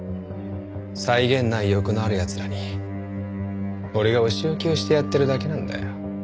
際限ない欲のある奴らに俺がお仕置きをしてやってるだけなんだよ。